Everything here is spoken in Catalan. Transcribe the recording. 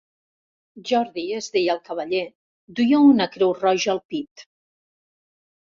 Jordi es deia el cavaller, duia una creu roja al pit.